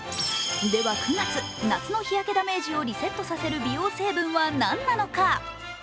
では９月、夏の日焼けダメージをリセットさせる美容成分はなんなのか。